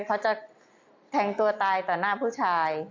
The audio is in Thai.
เขาจะแทงตัวตายต่อหน้าผู้ชาย